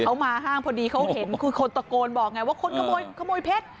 เขามาห้างพอดีเขาเห็นคือคนตะโกนบอกไงว่าคนขโมยขโมยเพชร